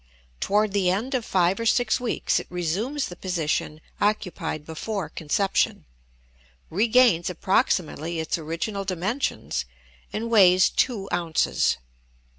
Toward the end of five or six weeks it resumes the position occupied before conception, regains approximately its original dimensions, and weighs two ounces.